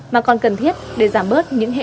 mà còn cần thiết để giảm bớt những hệ thống